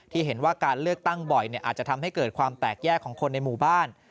เห็นว่าการเลือกตั้งบ่อยอาจจะทำให้เกิดความแตกแยกของคนในหมู่บ้าน